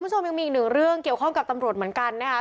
คุณผู้ชมยังมีอีกหนึ่งเรื่องเกี่ยวข้องกับตำรวจเหมือนกันนะคะ